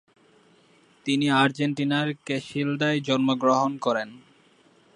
তিনি আর্জেন্টিনার ক্যাসিলদায় জন্মগ্রহণ করেন।